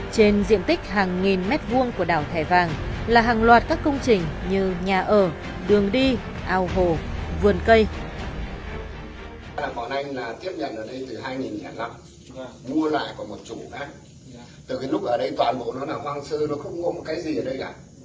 trên diện tích hàng nghìn mét vuông của đảo thẻ vàng là hàng loạt các công trình như nhà ở đường đi ao hồ vườn cây